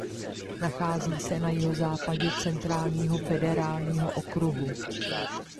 Nachází se na jihozápadě Centrálního federálního okruhu.